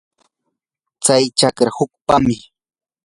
tsay chakra hukpam.